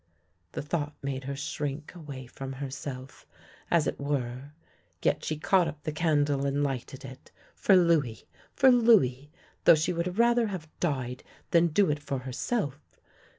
The thought made her shrink away from herself, as it were, yet she caught up the candle and lighted it. For Louis. For Louis, though she would rather have died than do it for herself.